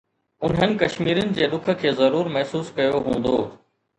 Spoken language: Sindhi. انهن ڪشميرين جي ڏک کي ضرور محسوس ڪيو هوندو